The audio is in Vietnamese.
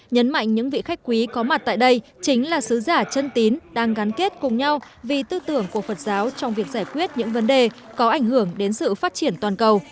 nhấn mạnh những vị khách quý có mặt tại đây chính là sứ giả chân tín đang gắn kết cùng nhau vì tư tưởng của phật giáo trong việc giải quyết những vấn đề có ảnh hưởng đến sự phát triển toàn cầu